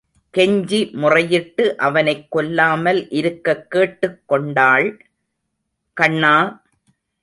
கெஞ்சி முறையிட்டு அவனைக் கொல்லாமல் இருக்கக் கேட்டுக் கொண்டாள். கண்ணா!